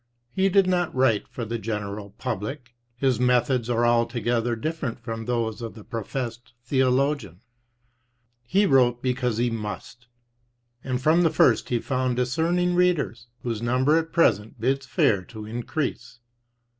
He did not write for the great public. His methods are altogether different from those of the professed theologian. He wrote because he must ; and from the first he found discerning readers, whose number at present bids fair to increase.